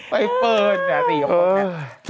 ไปเปิ้ล